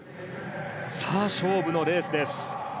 さあ、勝負のレースです。